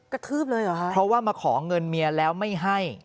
ทืบเลยเหรอคะเพราะว่ามาขอเงินเมียแล้วไม่ให้